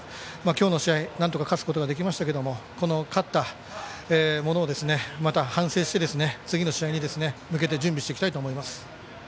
今日の試合、なんとか勝つことができましたけどもこの勝ったものをまた反省して次の試合に向けて準備していきたいと思います。